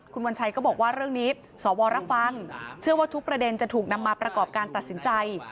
คุณวัญชัยก็บอกว่าเรื่องนี้สวรับฟังเชื่อว่าทุกประเด็นจะถูกนำมาประกอบการตัดสินใจ